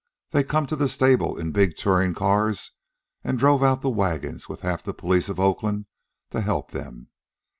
They come to the stable in big tourin' cars an' drove out the wagons with half the police of Oakland to help them.